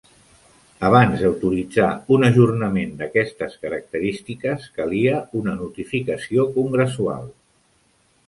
Abans d'autoritzar un ajornament d'aquestes característiques, calia una notificació congressual.